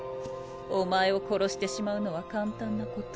おまえを殺してしまうのは簡単なこと。